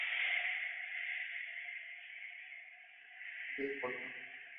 En aquel combate, el "Capitán Santiago" resultó herido en una pierna.